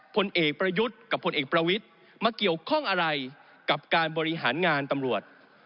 ผลเอกประยุทธ์กับพลเอกประวิทย์มาเกี่ยวข้องอะไรกับการบริหารงานตำรวจ